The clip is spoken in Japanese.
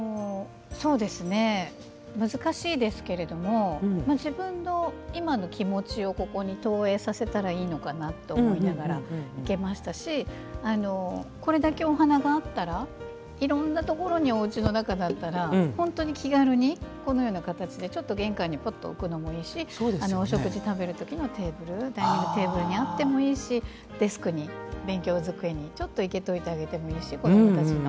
難しいですけれども自分の今の気持ちをここに投影させたらいいのかなと思いながら生けましたしこれだけお花があったらいろんなところにおうちの中だったら本当に気軽に、このような形で玄関にぽっと置くのもいいですしお食事食べる時のテーブルにあってもいいしデスクに、勉強机にちょっと生けといてあげてもいいし子どもたちに。